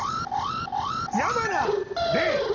矢花黎！